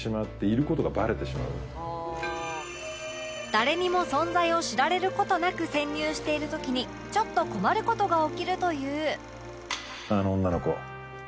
誰にも存在を知られる事なく潜入している時にちょっと困る事が起きるという